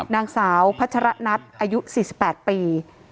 นางสาวพัชรนัทอายุ๔๘ปี